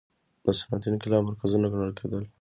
د صنعتي انقلاب مرکزونه ګڼل کېدل.